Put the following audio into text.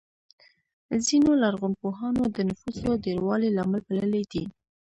ځینو لرغونپوهانو د نفوسو ډېروالی لامل بللی دی